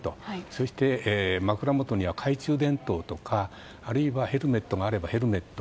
そして、枕元には懐中電灯とかあるいはヘルメットがあれば、ヘルメット。